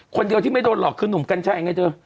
คนเดียวที่ไม่โดนหลอกคือหนุ่มกัญชัยไงเธอ